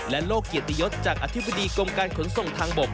โลกเกียรติยศจากอธิบดีกรมการขนส่งทางบก